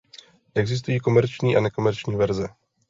Existují komerční a nekomerční verze.